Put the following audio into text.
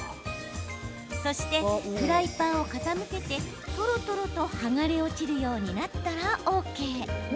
そして、フライパンを傾けてとろとろと剥がれ落ちるようになったらＯＫ。